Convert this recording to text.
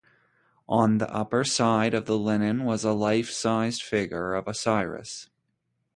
On the upper side of the linen was a life-sized figure of Osiris.